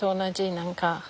何か。